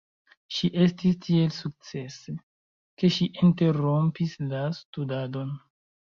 Ŝi estis tiel sukcese, ke ŝi interrompis la studadon.